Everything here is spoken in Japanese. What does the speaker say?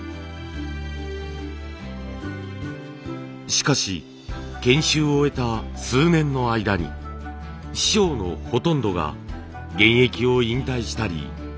しかし研修を終えた数年の間に師匠のほとんどが現役を引退したり亡くなったりしてしまいました。